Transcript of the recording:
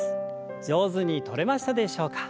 上手にとれましたでしょうか。